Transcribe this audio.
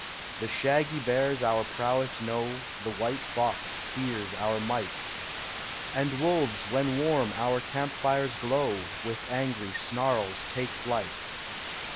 The shaggy bears our prowess know, The white fox fears our might, And wolves, when warm our camp fires glow, With angry snarls take flight.